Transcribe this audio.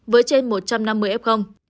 với trên một trăm năm mươi f